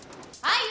はい。